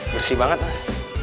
bersih banget mas